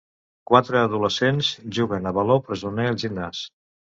Quatre adolescents juguen a baló presoner al gimnàs.